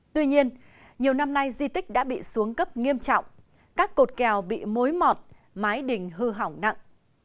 tuy nhiên nhiều năm nay di tích đã bị xuống cấp nghiêm trọng các cột kèo bị mối mọt mái đình hư hỏng nặng